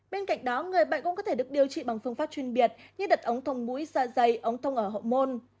bên cạnh đó người bệnh cũng có thể được điều trị bằng phương pháp chuyên biệt như đặt ống thông mũi ra dây ống thông ở hộ môn